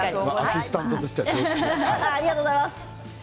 アシスタントとしては当然です。